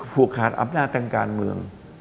ผูกขาดอำนาจทางการเมือง